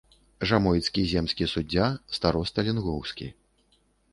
Жамойцкі земскі суддзя, староста лінгоўскі.